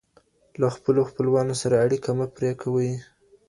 له خپلو خپلوانو سره اړیکې مه پرې کوئ.